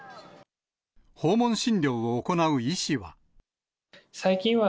訪問診療を行う医師は。